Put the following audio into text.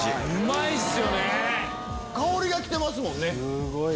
香りが来てますもんね。